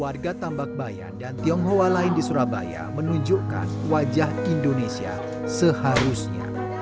warga tambak bayan dan tionghoa lain di surabaya menunjukkan wajah indonesia seharusnya